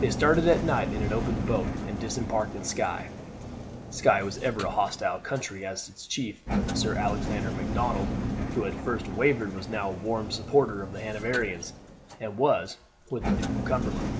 They started at night in an open boat, and disembarked in Skye. Skye was ever a hostile country, as its chief, Sir Alexander Macdonald, who had at first wavered, was now a warm supporter of the Hanoverians, and was with the Duke of Cumberland.